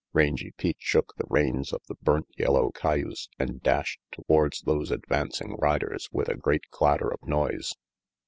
Rangy Pete shook the reins of the burnt yellow cayuse and dashed towards those advancing riders with a great clatter of noise.